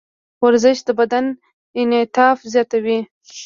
ورزش د بدن انعطاف زیاتوي.